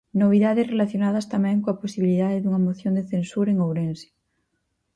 Novidades relacionas tamén coa posibilidade dunha moción de censura en Ourense.